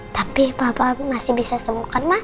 tapi papa masih bisa sembuh kan ma